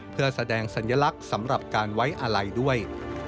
เพื่อแสดงสัญลักษณ์สำหรับการไว้อาลัยด้วย